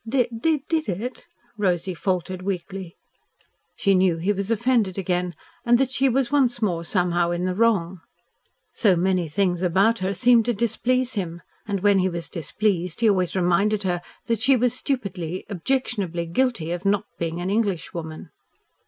"Did did it?" Rosy faltered weakly. She knew he was offended again and that she was once more somehow in the wrong. So many things about her seemed to displease him, and when he was displeased he always reminded her that she was stupidly, objectionably guilty of not being an English woman.